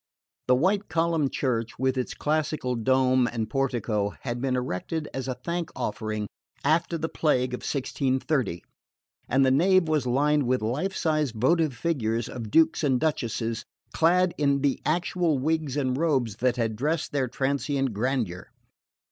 The white columned church with its classical dome and portico had been erected as a thank offering after the plague of 1630, and the nave was lined with life sized votive figures of Dukes and Duchesses clad in the actual wigs and robes that had dressed their transient grandeur.